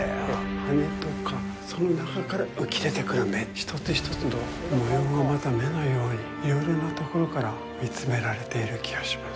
羽とか、その中から浮き出てくる目、１つ１つの模様がまた目のようにいろいろなところから見詰められている気がします。